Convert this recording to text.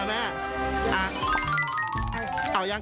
ไม่มันคือการแสดง